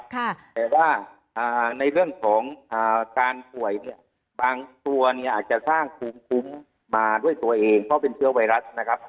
แต่ว่าในเรื่องของการป่วยเนี่ยบางตัวเนี่ยอาจจะสร้างภูมิคุ้มมาด้วยตัวเองเพราะเป็นเชื้อไวรัสนะครับ